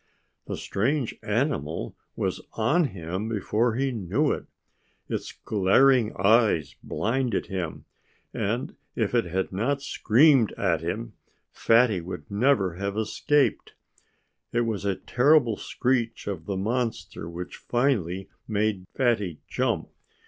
The strange animal was on him before he knew it. Its glaring eyes blinded him. And if it had not screamed at him Fatty would never have escaped. It was the terrible screech of the monster which finally made Fatty jump.